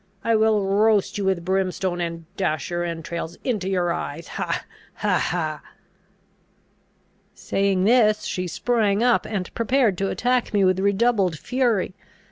I will roast you with brimstone, and dash your entrails into your eyes! Ha, ha! ha!" Saying this, she sprung up, and prepared to attack me with redoubled fury.